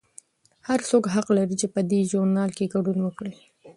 هر څوک حق لري چې په دې ژورنال کې ګډون وکړي.